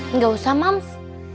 enggak usah moms